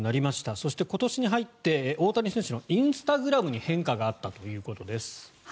そして、今年に入って大谷選手のインスタグラムに変化があったということです。